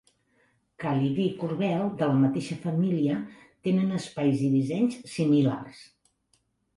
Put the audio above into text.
Calibri i Corbel, de la mateixa família, tenen espais i dissenys similars.